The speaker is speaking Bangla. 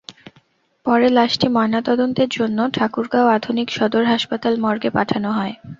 পরে লাশটি ময়নাতদন্তের জন্য ঠাকুরগাঁও আধুনিক সদর হাসপাতাল মর্গে পাঠানো হয়।